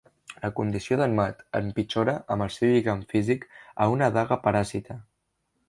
La condició d'en Mat empitjora amb el seu lligam físic a una daga paràsita.